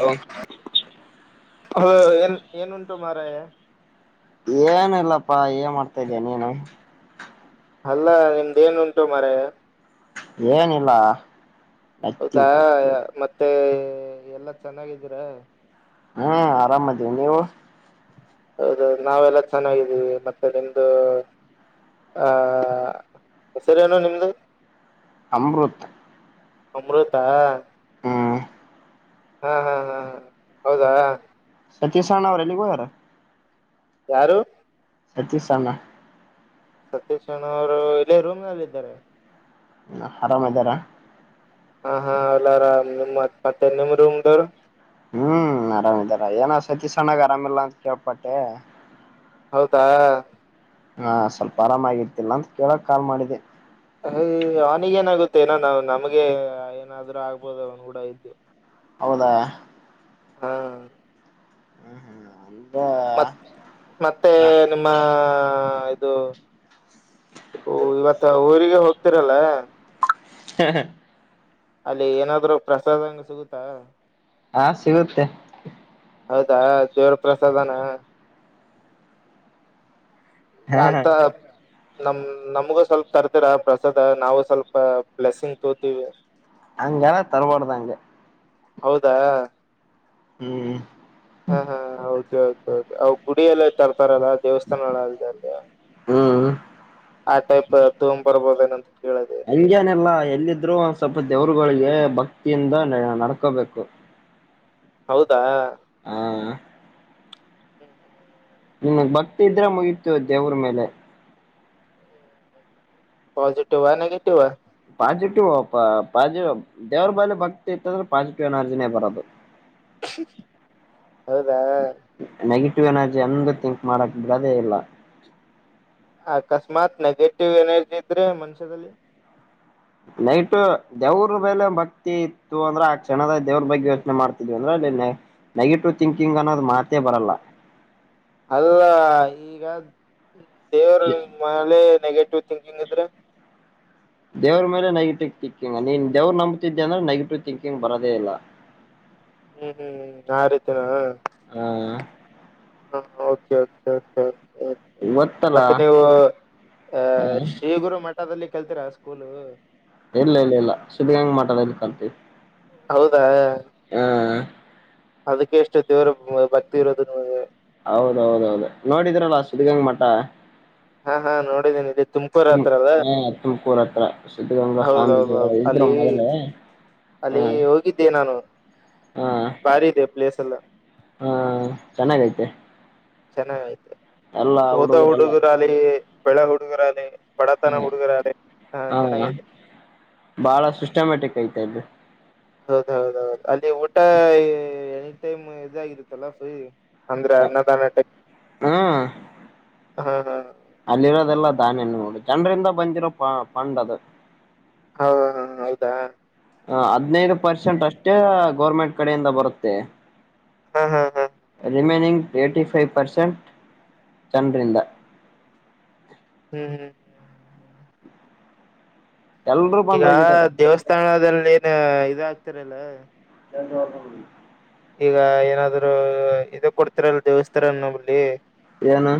Hello ಹ ಏನ್ ಏನು ಉಂಟು ಮಾರ ಏನ ಇಲ್ಲಪ್ಪಾ ಏನ್ ಮಾಡ್ತಾ ಇದಿದ್ದೀ ನೀನು ಅಲ್ಲ ನಿಮ್ದೇನುಂಟು ಮರ ಏನಿಲ್ಲ ನತ್ತೀವಿ ಹೌದಾ ಮತ್ತೆ ಎಲ್ಲಾ ಚೆನ್ನಾಗಿದೀರ ಹ್ಮ ಆರಾಮ್ದೀವಿ ನೀವು ಹೌದೌದು ನಾವೆಲ್ಲ ಚೆನ್ನಾಗಿದ್ದೀವಿ ಮತ್ತೆ ನಿಮ್ದು ಹ ಹೆಸರಿ ಏನು ನಿಮ್ದು ಅಮೃತ ಅಮೃತಾ ಹ ಹಾ ಹಾ ಹಾ ಹಾ ಹೌದಾ ಸತ್ತ ಸ್ಣಾವರಲ್ಲಿಗೋ ಯಾರ ಯಾರು ಸತೀಶಾನ ಸತೀಶ್ಣ್ಣ ಅವರು ಇಲ್ಲೇ ರೂಮ್ ನಲ್ಲ ಇದ್ದಾರೆ ಆರಾಮ್ ಇದ್ದಾರ ಹ ಹಾ ಎಲ್ಲಾರಾಮ ನಿಮ್ತ್ ಮತ್ತ ನಿಮ್ ರೂಮ್ದರು ಹ್ಮ್ ಆರಾಮಿದಾರ ಏನ್ ಸತೀ ಸಣ್ಣಾಗ ಆರಾಮಿಲ್ಲಾ ಅಂತ ಕೇಳ್ಪಟ್ಟೆ ಹೌದಾ ಹಾ ಸ್ವಲ್ಪ ಆರಾಮಾಗಿರ್ತಿಲ್ಲ ಅಂತ ಕೇಳಕ್ ಕಾಲ್ ಮಾಡಿದೆ ಅಯ ಅವನಿಗ ಏನಾಗುತ್ತೆ ಏನೋ ನಾ ನಮಗೆ ಏನಾದ್ೂ ಆಗ್ಬೋದು ಅವನು ಕೂಡ ಇದ್ದು ಹೌದಾ ಹಾ ಹ್ಮ್ ಹಾ ಮತ್ ಮತ್ತೆ ನಿಮ್ಮ ಅದು ಇವತ್ತ ಊರಿಗೆ ಹೋಗ್ತಿರಲ್ಲ ಹ ಅಲ್ಲಿ ಏನಾದ್ರು ಪ್ರಸಾದಂಗ ಸಿಗುತ್ತಾ ಹಾ ಸಿಗುತ್ತೆ ಹೌದಾ ದೇವ್ರ ಪ್ರಸಾದನ ಹ ಅಂತ ನಮ ನಮ್ಗೂ ಸ್ವಲ್ಪ ತರ್ತಿೀರಾ ಪ್ರಸಾದ ನಾವು ಸ್ವಲ್ಪ ಬ್ಲೆಸ್ಸಿಂಗ್ ತೋತೀವಿ ಹಂಗಲ್ಲ ತರವಾಡುದಾಂಗ ಹೌದಾ ಹ್ಮ್ ಹೌದು ಅವ ಗುಡಿಯಲ್ಲ ತರ್ತಾರಲ್ಲ ದೇವಸ್ಥಾನಗಳ ಅಲ್ ಅ ಹ್ಮ್ ಆ ಟೈಪ್ ತೊಗಂಬ್ ಬರ್ಬೋದ ಏನ ಹಂಗೆೇನೆಲ್ಲಾ ಎಲ್ಲಿದ್ರು ಒ ಸ್ವಲ್ಪ ದೇವರುಗಳಿಗೆ ಭಕ್ತಿಯಿಂದ ನ ನಡ್ಕೋಬೇಕು ಹೌದಾ ಹಾ ನಿನ್ಗ್ ಭಕ್ತಿ ಇದ್ರೆ ಮುಗೀತು ದೇವ್ರ ಮೇಲೆ ಪಾಸಿಟಿವ್ಾ ನೆೆಗೆಟಿವ್ಾ ಪಾಸಿಟಿವ್ ಪಾಸಿಟಿವ್ ದೇವ್ರ ಬಳಿ ಭಕ್ತಿ ಇತ್ತಂದ್ರೆ ಪಾಸಿಟಿವ್ ಎನರ್ಜಿನೇ ಬರೋದು ಹೌದಾ ಿವ್ ಎನರ್ಜಿ ಅಂದು ಥಿಂಕ್ ಮಾಡಕ್ ಬಿಡೋದೇ ಇಲ್ಲ ಅಕಸ್ಮಾತ್ ನೆಗೆಟಿವ್ ಎನರ್ಜಿ ಇದ್ರೆ ಮನುಷ್ಯದಲ್ಲಿ ನೈಟ್ ದೇವ್ರ ಮೇಲೆ ಭಕ್ತಿ ಇತ್ತು ಅಂದ್ರೆ ಆ ಕ್ಷಣದ ದೇವ್ರ ಬಗ್ಗೆ ಯೋಚನೆ ಮಾಡ್ತಿದ್ವಿ ಅಂದ್ರೆ ನೆಗೆಟಿವ್ ಥಿಂಕಿಂಗ್ ಅನ್ನೋದು ಮಾತೇ ಬರಲ್ಲ ಅಲ್ಲ ಈಗ ದೇವ್ರ ಮಲೆೆ ನೆಗೆಟಿವ್ ಂಕಿಂಗ್ ಇದ್ರೆ ದೇವ್ರ ಮೇಲೆ ನೆಗೆಟಿವ್ ತಿಂಕಿಂಗ್ ನೀನ್ ದೇವ್ ನಂಬತಿದ್ದ ಅಂದ್ರೆ ನೆಗೆಟಿವ್ ತಿಿಂಕಿಂಗ್ ಬರದೇ ಇಲ್ಲ ಹ ಹ್ಮ್ ಹ್ಮ್ ಹ್ಮ್ ಆ ರೀತಿನ ಹಾ ಓಕೆ ಗೊತ್ತಲ್ಲ ಮತ್ತೆ ನೀವು ಆ ಹ ಶ್ರೀಗುರು ಮ ಹದಲ್ಲಿ ಕಲ್ತರಾ ಸ್ಕೂಲ್ ಇಲ್ಲ ಇಲ್ಲ ಇಲ್ಲ ಸು್ದಿ ಹೆಂಗ್ ಮಾತದ ಇ ಕಂತೀ ಹೌದಾ ಹಾ ಅದಕ್ಕೆ ಎಷ್ಟು ದೇವ್ರ ಭಕ್ತಿ ಇರೋದುಗೆ ಹೌದೌದೌದು ನೋಡಿದ್ರಲ್ಲ ಸ್ದಿಗಂಗ ಮಠ ಹಾ ಹಾ ನೋಡಿದ್ದೀೇಿ ಇಡ ುಮ ಹ ತುಮಕೂರು ಹತ್ರ ಸಿದ್ಧಗಂಗಾ ಸ್ವಾಮೀಜಿ ಹೌದೌದೌದು ಇದರು ಅಲ್ಲಿ ಮೊದಲೇ ಹಾ ಅಲ್ಲಿ ಹೋಗಿದ್ದೆ ನಾನು ಹಾ ಬಾರಿ ಇದೆ ಪ್ಲೇಸ್ ಎಲ್ಲ ಹಾ ಚೆನ್ನಾಗೈತೆ ಚೆನ್ನಾಗಐತೆ ಎಲ್ಲ ಹೋದ ಹುಡುಗರೆಲ್ಲ ಹುಡುಗರಾಲಿ ಬೆಳೆ ಹುಡುಗರಾಲಿ ಪಡ ತಾನೆ ಹ್ಮ ಕೊಡುಕರಾರೆೆ ಹಾ ಚೆನ್ನಾಗಿದೆ ಬಾಳ ಹ್ಮ ಸಿಸ್ಟಮ್ಯಾಟಿಕ್ ಐತೆ ಅದು ಹೌದೌದೌದು ಅಲ್ಲಿ ಊಟ ಎನಿ ಟೈಮ್ ಇದಾಗಿರುತ್ತಲ್ಲ ಫ್ರೀ ಅಂದ್ರೆ ಅನ್ನದಾನಟ ಹ್ಮ್ ಹಾ ಹಾ ಅಲ್ಲಿರೋದೆಲ್ಲ ದಧನ್ಿಯ ನೋಡಿ ಜನರಿಂದ ಬಂದಿರೋ ಪ ಪಂಡ್ ಅದು ಹೌ ಹೌದಾ ಹ ಹದ್ನೈದು ಪರ್ಸೆಂಟ್ ಅಷ್ಟೇ ಗೌರ್ಮೆಂಟ್ ಕಡೆಯಿಂದ ಬರುತ್ತೆ ಹಾ, ಹಾ, ಹಾ ರಿಮೇನಿಂಗ್ ಏಟಿ ಫೈವ್ ಪರ್ಸೆಂಟ್ ಜನರಿಂದ ಹ್ಮ್, ಹ್ಮ್, ಹ್ಮ್ ಎಲ್ರೂ ಈಗ ಬಂದ್ ಹೋಗಿದ್ದಾರೆ ದೇವಸ್ಥಾನದಲ್ಲಿ ಏನ್ ಇದಾಗಗ್ತಾರಲ್ಲ, ಎ [inaudible] ಈಗ ಏನಾದ್ರು ಇದ ಕೊಡ್ತರಲ್ಲ ದೇವಸ್ಥಾನ ನಲ್ಲಿ [unintelligible] ಏನು?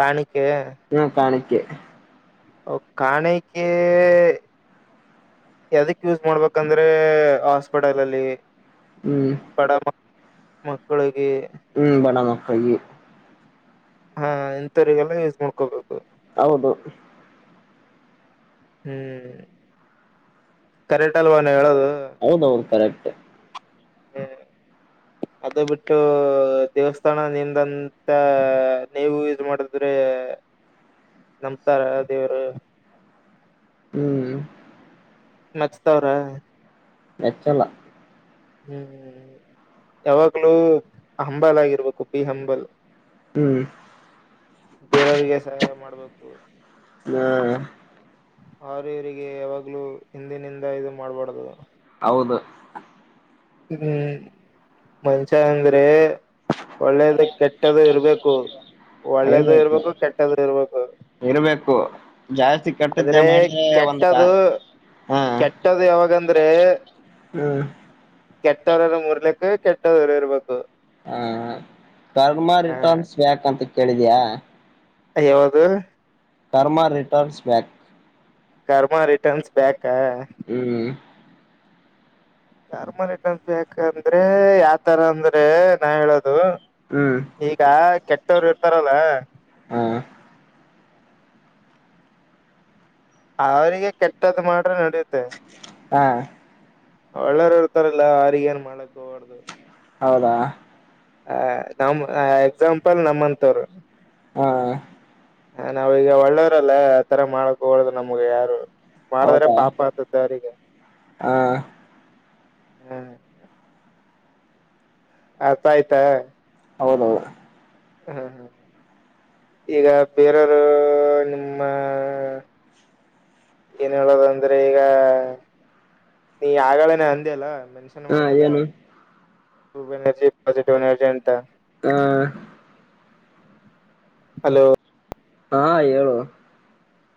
ಕಾಣ [inaudible] ಹಾ, ಕಾಣಿಕೆ ಕಾಣಿಕೆ ಯದಕ್ ಯೂಸ್ ಮಾಡ್ಬೇಕಂದ್ರೆ ಹಾಸ್ಪಿಟಲ್ನಲ್ಲಿ, ಹ್ಮ್ ಬಡ ಮಕ್ಕಳು ಹ್ಮ್, ಬಡ ಮಕ್ಕಳಿಗೆ, ಹಾ ಇಂಥವರಿಗೆಲ್ಲ ಯೂಸ್ ಮಾಡ್ಕೋಬೇಕು. ಹೌದು, ಹ್ಮ್, ಕರೆಕ್ಟ್ ಅಲ್ವಾನ ಹೇಳೋದು. ಹೌದೌದು ಕರೆಕ್ಟ್, [inaudible] ಅದು ಬಿಟ್ಟು ದೇವಸ್ಥಾನ ನಿಂದಂತ ನೀವು ಯೂಸ್ ಮಾಡತಿದ್ರಿ., ಹ [inaudible] ನಂಬ್ತಾರ ದೇವರು ಹ್ಮ್, ಮಚ್ತಾವ್ರ [unintelligible] ಮೆಚ್ಚಲ್ಲ. ಹ್ಮ್, ಯಾವಾಗ್ಲೂ ಹಂಬಲ್ ಆಗಿರ್ಬೇಕು. ಬಿ ಹಂಬಲ್, ಹ್ಮ್, ಬೇರೋರಿಗೆ ಸಹಾಯ ಮಾಡ್ಬೇಕು. ಹಾ ಅವರ ಇವರಿಗೆ ಯಾವಾಗ್ಲೂ ಹಿಂದಿನಿಂದ ಇದು ಮಾಡ್ಬಾರದು. ಹೌದು, ಹ್ಮ್, ಮನುಷ್ಯ ಅಂದ್ರೆ., ಒಳ್ಳೇದ ಕೆಟ್ಟದು ಇರ್ಬೇಕು. ಒಳ್ಳೇದು ಇರ್ಬೇಕು, ಕೆಟ್ಟ್ದು ಇರ್ಬೇಕು ಇರ್ಬೇಕು ಜಾಸ್ತಿ ಆದ್ರೆ ಕೆಟ್ಟದೆಮಾಡಿದ್ರೆ ಒಂದು ಕ ಕೆಟ್ಟದು ಹಾ ಕೆಟ್ಟದು ಹ್ಮ್, ಕೆಟ್ಟವ್ರರ ಮೂರ್ಲಿಕ್ಕ ಕೆಟ್ಟದರು ಇರ್ಬೇಕು. ಹಾ, ಕರ್ಮ ಹಾ ರಿಟರ್ನ್ಸ್ ಬ್ಯಾಕ್ಂತ ಕೇಳಿದಯಾ... ಯವದು. Karma returns back, karma returns back, ಹ್ಮ್ ಕರ್ಮರಿಟನ್ ಬಂದ್ರೆ ಯಾವತರ ಅಂದ್ರೆ ನಾ ಹೇಳೋದು, ಹ್ಮ್ ಅದು ಈಗ ಕೆಟ್ಟವ್ರು ಇರ್ತಾರಲ್ಲ ಹ್ಮ, ಅವ್ರಿಗೆ ಕೆಟ್ಟದ್ದ್ ಮಾಡ ಹಾ, ಒಳ್ಳೆ ಮೂವರು ಇರ್ತಾರೆ ಅವರಿಗೇನು ಮಾಡು ಹೋಗಬಾರದು. ಹೌದಾ ಆ ನಮ ಎಕ್ಸಾಂಪಲ್ ನಮ್ಮಂತವರು. ಹಾ,, ಹ ನಾವೀಗ ಒಳ್ಳೋರಲ್ಲ ಆತರ ಮಾಡಕ್ ಹೋಗಬಾರದು ನಮ್ಗೆ ಯಾರು. ಮಾಡಿದ್ರೆ ಹೌದಾ ಪಾಪ ಅತುತ್ತೆಅವ್ರಿಗೆ. ಹಾ ಹ್ಮ್, ಅರ್ಥ ಆಯ್ತಾ ಹೌದೌದು ಹಾ ಈಗ ಬೇರೆಯವರು ನಿಮ್ಮ ಏನ್ ಹೇಳೋದಂದ್ರೆ ಈಗ ನೀ ಆಗಳೇನೆೇ ಅಂದಿ ಅಲ್ಲ ಮೆನ್ಷನ್ ಹಾ ಮಾಡಿದೆಲ್ಲ ಏನು ಗ್ರೋ ಎನರ್ಜಿ ಪಾಸಿಟಿವ್ ಎನರ್ಜಿ ಅಂತ ಹ ಹಲೋ ಹಾ ಹೇಳು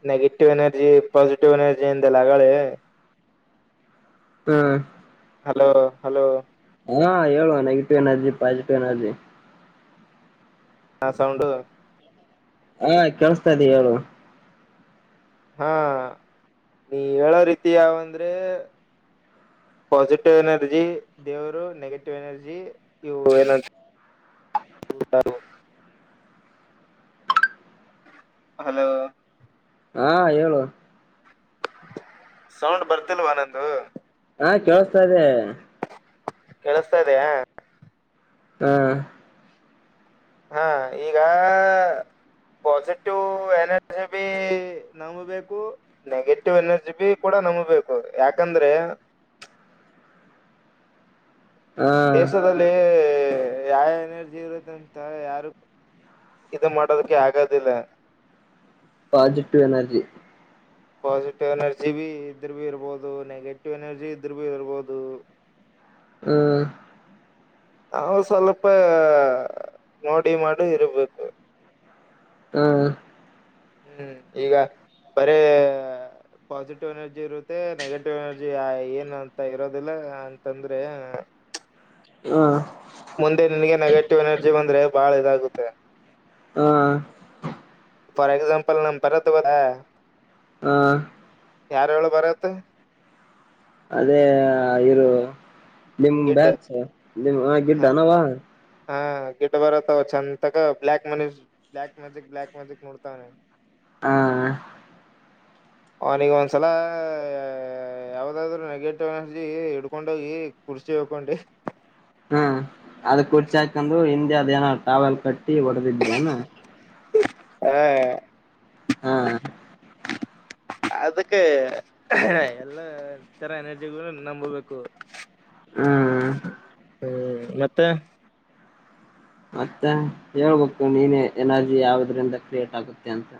ನೆಗೆಟಿವ್ ಎನರ್ಜಿ ಪಾಸಿಟಿವ್ ಎನರ್ಜಿಯಿಂದಲ್ಲ ಆಗಳೆ ಹಾ ಹಲೋ ಹಲೋ ಹಾ ಹೇಳು ನೆಗೆಟಿವ್ ಎನರ್ಜಿ ಪಾಸಿಟಿವ್ ಎನರ್ಜಿ ಹಾ ಸೌಂಡ ಹಾ ಕೇಳಿಸ್ತಾ ಇದೆ ಹೇಳು ಹಾ ನೀ ಹೇಳೋ ರೀತಿ ಯಾವಂದ್ರೆ ಪಾಸಿಟಿವ್ ಎನರ್ಜಿ ದೇವರು ನೆಗೆಟಿವ್ ಎನರ್ಜಿ ಇವು ಏನ ಅದು [inaudible] ಹ [unintelligible] ಹಲೋ ಹಾ ಹೇಳು ಸೌಂಡ್ ಬರ್ತಿಲ್ವಾನಂದು ಹಾ ಕೇಳಸ್ತಾ ಇದೆ ಕೆೇಳಸ್ತಾ ಇದೆಯಾ ಹೂ ಹಾ ಈಗ ಪಾಸಿಟಿವ್ ಎನರ್ಜಿ ಬಿ ನಮ್ಮ ಬೇಕು ನೆಗೆಟಿವ್ ಎನರ್ಜಿ ಬಿ ಕೂಡ ನಂಬಬೇಕು ಯಾಕಂದ್ರೆ [inaudible] ಹಾ ದೇಶದಲ್ಲಿ ಯಾ ಎನರ್ಜಿ ಇರುದ ಅಂತ ಯಾರು ಇದು ಮಾಡೋದಕ್ಕೆ ಆಗದಿಲ್ಲ ಪಾಸಿಟಿವ್ ಎನರ್ಜಿ ಪಾಸಿಟಿವ್ ಎನರ್ಜಿ ಬಿ ಇದ್ರ ಇರ್ಬೋದು ನೆಗೆಟಿವ್ ಎನರ್ಜಿ ಇದ್ರ ಭಿ ಇರ್ಬೋದು ಹ್ಮ ನಾವು ಸ್ವಲ್ಪ ನೋಡಿ ಮಾಡು ಇರ್ಬೇಕು ಹಾ ಹ್ಮ್ ಈಗ ಬರೇ ಪಾಸಿಟಿವ್ ಎನರ್ಜಿ ಇರುತ್ತೆ ನೆಗೆಟಿವ್ ಎನರ್ಜಿ ಏನ್ಂತ ಇರೋದಿಲ್ಲ ಅಂತಂದ್ರೆ ಹಾ ಮುಂದೆ ನಿನಗೆ ನೆಗೆಟಿವ್ ಎನರ್ಜಿ ಬಂದ್ರೆ ಬಹಳ ಇದಾಗುತ್ತೆ ಹಾ ಫಾರ್ ಎಕ್ಸಾಮಂಪಲ್ ನಮ್ಮ ಭರತ್ ಇಲ್ಲಾ ಹಾ ಯಾರ ಹೇಳ್ ಭರತ್ ಅದೇ ಇರು ನಿಮ ಗಿಡ್ ಬ್ಯಾಚ್ ಹ, [unintelligible] ಹಾ ಗಿಡ್ ಬರತ್ತವ ಚಂದ ತಗ black money black magic black magic ನೋಡ್ತವನೆ ಹಾ ಅವನಿಗೆ ಒಂದ್ಸಲ ಯಾವ್ದಾದ್ರು ನೆಗೆಟಿವ್ ಎನರ್ಜಿ ಹಿಡ್ಕೊಂಡೋಗಿ ಕುರ್ಸಿ ಹೋಯ್ಕೊಂಡು ಹ್ಮ ಅದ ಕುರ್ಚ ಹಾಕೊಂಡು ಹಿಂದೆ ಅದ ಏನ ಟಾವೆಲ್ ಕಟ್ಟಿ ಹೊಡ್ದಿದ್ರಿ ಏನ. ಎರ. ಹ ಅದಕ ಎಲ್ಲಾ ತರ ಎನರ್ಜಿಗಳು ನಂಬ್ಬೇಕು. ಹ ಹ್ಮ್ ಮತ್ತೆ. ಮತ್ತೆ ಹೇಳ್ಬೇಕು ನೀನೆ ಎನರ್ಜಿ ಯಾವದ್ರಿಂದ ಕ್ರಿಯೇಟ್ ಆಗುತ್ತೆ ಅಂತ.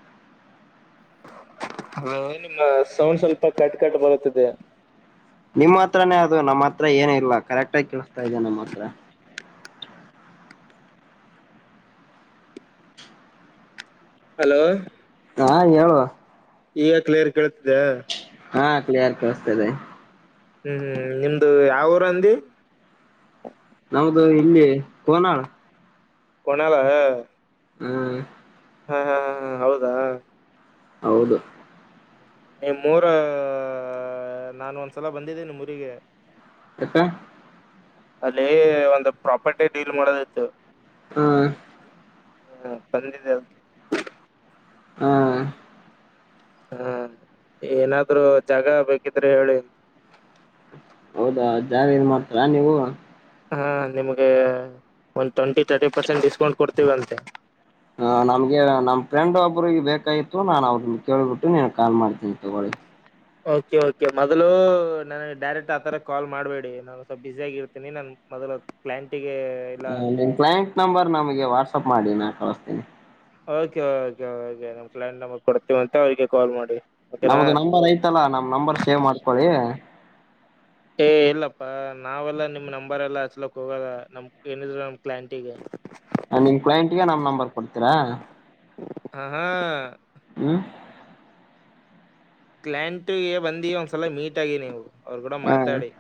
ಹಾ ನಿಮ್ಮ ಸೌಂಡ್ ಸ್ವಲ್ಪ ಕಟ್ ಕಟ್ ಬರುತ್ತಿದೆ. ನಿಮ್ಮ್ ಹತ್ರಾನೇ ಅದು ನಮ್ಮ ಹತ್ರ ಏನ ಇಲ್ಲ ಕರೆಕ್ಟ್ ಆಗಿ ಕೇಳಸ್ತಾ ಇದೇ ನಿಮ್ಮ ಹತ್ರ. ಹಲೋ ಹಾ ಹೇಳುವ. ಈಗ ಕ್ಲಿಯರ್ ಕೇಳತಿದ್ಯ. ಕೇಳುಸ್ತಿದೆ. ಹ್ಮ್ ಹ್ಮ್ ನಿಮ್ದು ಯಾವ್ ಊರಂದಿ. ನಮ್ದು ಇಲ್ಲಿ ಕೋನಾಳ್. ಕೊಣಳ. ಹ್ಮ್ ಹಾ ಹಾ ಹ ಹ ಹೌದಾ. ಹೌದು ನಿಮ್ಮರ ನಾನ್ ಒಂದ್ಸಲ ಬಂದಿದ್ದೇ ನಿಮ್ಮುರಿಗೆ. ಯಾಕ ಅಲ್ಲಿ ಒಂದು ಪ್ರಾಪರ್ಟಿ ಡೀಲ್ ಮಾಡೋದ್ ಇತ್ತು. ಹ ಹ್ಮ ಪರಿಡಿದೆ. ಹ ಹಾ ಏನಾದ್ರು ಜಾಗ ಬೇಕಿದ್ರೆ ಹೇಳಿ. ಹೌದಾ ಜಾಗ ಇದ್ ಮಾಡ್ತಿರ ನೀವು. ಹಾ ನಿಮ್ಗೆ ಒಂದು ಟ್ವೆಂಟಿ ತರ್ಟಿ ಪರ್ಸೆಂಟ್ ಡಿಸ್ಕೌಂಟ್ ಕೊಡ್ತೀವ್ ಅಂತೆ. ಹ ನಮ್ಗೆ ನಮ್ ಫ್ರೆಂಡ್ ಒಬ್ರಿಗೆ ಬೇಕಾಯಿತು ನಾನ್ ಅವ್ರನ್ನ ಕೇಳ್ಬಿಟ್ಟು ನೀ ಕಾಲ್ ಮಾಡ್ತೀನಿ ತಗೊಳ್ಳಿ. ಓಕೆ ಓಕೆ ಮೊದಲು ನನಗೆ ಡೈರೆಕ್ಟ್ ಆತರ ಕಾಲ್ ಮಾಡ್ಬೇಡಿ ನಾನು ಸ್ವಲ್ಪ ಬಿಸಿ ಆಗ್ ಇರ್ತೀನಿ ನನ್ ಮೊದಲು ಪ್ಲಾಂಟಿಂಗ್. ಹ ನಿನ್ ಕ್ಲಯಂಟ್ ನಂಬರ್ ನಮ್ಗೆ ವಾಟ್ಸಪ್ ಮಾಡಿ ನಾನ್ ಕಳಸ್ತಿನಿ. ಓಕೆ ಓಕೆ ಓಕೆ ನಮ್ ಪ್ಲಯಾನ್ ನಂಬರ್ ಕೊಡ್ತೀವ ಅಂತೆ ಅವ್ರಿಗೆ ಕಾಲ್ ಮಾಡಿ. ಓಕೆನಾ ನಮ್ದು ನಂಬರ್ ಐತಲ್ಲಾ ನಮ್ ನಂಬರ್ ಸೇವ್ ಮಾಡ್ಕೊಳಿ. ಏ ಇಲ್ಲಪ್ಪಾ ನಾವೆಲ್ಲಾ ನಿಮ್ ನಂಬರ್ ಎಲ್ಲಾ ಹಚ್ಲಕ್ ಹೋಗಲ್ಲ ನಮ್ ಏನಿದ್ರ ನಮ್ ಕ್ಲಾಂಟಿಗೆ. ಅ ನಿಮ್ ಕ್ಲಯಂಟ್ಗ ನಮ್ ನಂಬರ್ ಕೊಡ್ತೀರಾ. ಹ ಹಾ ಹ್ಮ್ ಕ್ಲಾಂಟ್ಗೆ ಬಂದಿ ಒಂದ್ಸಲ ಮೀಟ್ ಆಗಿ ನೀವು. ಅವ್ರ ಕೂಡ ಹಾ ಮಾತಾಡಿ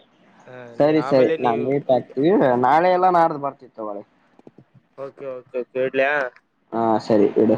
ಹ ನೀ ಸರಿ ಸರಿ ಆಮೇಲೆ ನಾ ನೀವು ಮೀಟ್ ಓಕೆ ಆಗ್ತಿವಿ ನಾಳೆ ಎಲ್ಲ ನಡ್ದು ಬರ್ತಿವ್ ತಗೋಳಿ. ಓಕೆ ಓಕೆ ಓಕೆ ಇಡ್ಲಯ. ಹಾ ಸರಿ ಇಡು.